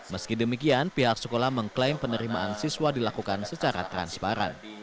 meski demikian pihak sekolah mengklaim penerimaan siswa dilakukan secara transparan